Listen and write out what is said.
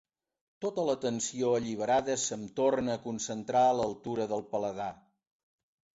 Tota la tensió alliberada se'm torna a concentrar a l'altura del paladar.